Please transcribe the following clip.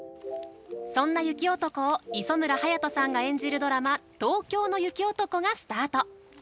そんな雪男を磯村勇斗さんが演じるドラマ「東京の雪男」がスタート。